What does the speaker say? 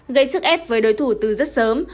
gây sức ép với đối thủ từ rất sớm